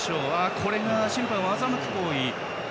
これが審判を欺く行為。